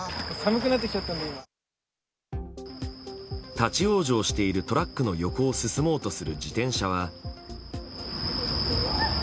立ち往生しているトラックの横を進もうとする自転車は。